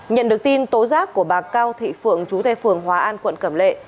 nhận được tin tố giác của bà cao thị phượng chú tại phường hòa an quận cẩm lệ